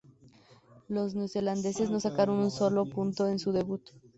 Los neozelandeses no sacaron un solo punto en su debut.